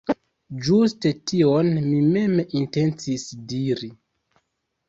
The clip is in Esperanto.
Ĝuste tion mi mem intencis diri.